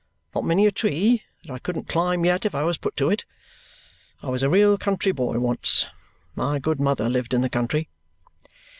Not many a tree that I couldn't climb yet if I was put to it. I was a real country boy, once. My good mother lived in the country."